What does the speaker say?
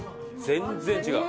全然違う！